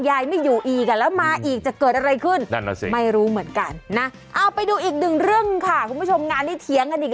ยายไม่อยู่กันแล้วมาอีกจะเกิดอะไรขึ้นด้านน่าสิไม่รู้เหมือนกันนะเอาไปดูอีกนึงเรื่องค่ะผู้ชมงานนี้เถียง